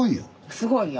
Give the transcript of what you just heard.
すごいんよ。